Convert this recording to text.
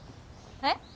えっ？